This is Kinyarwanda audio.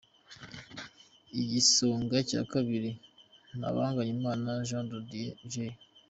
Igisonga cya Kabiri: Ntabanganyimana Jeand de Dieu Jay.